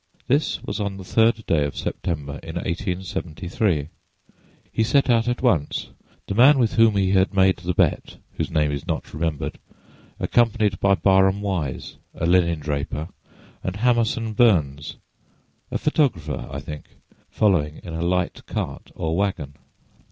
This was on the 3d day of September in 1873. He set out at once, the man with whom he had made the bet—whose name is not remembered—accompanied by Barham Wise, a linen draper, and Hamerson Burns, a photographer, I think, following in a light cart or wagon.